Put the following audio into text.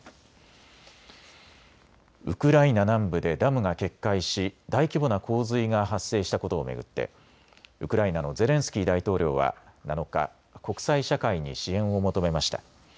ウクライナ南部でダムが決壊し大規模な洪水が発生したことを巡ってウクライナのゼレンスキー大統領は７日、国際社会に支援を求めました。